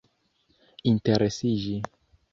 interesiĝi